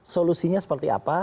solusinya seperti apa